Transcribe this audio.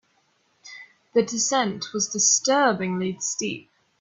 The descent was disturbingly steep.